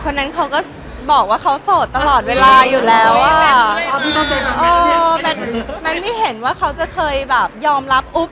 นั้นเขาก็บอกว่าเขาโสดตลอดเวลาอยู่แล้วอ่ะแมทไม่เห็นว่าเขาจะเคยแบบยอมรับอุ๊บ